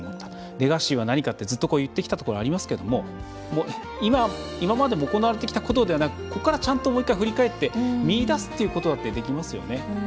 レガシーは何かって、ずっと言ってきたところがありますけど今まで行われてきたことではなくここからちゃんともう１回振り返って見いだすっていうことだってできますよね。